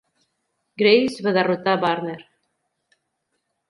Graves va derrotar Burner.